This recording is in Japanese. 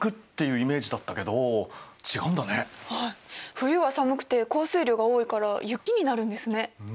冬は寒くて降水量が多いから雪になるんですね。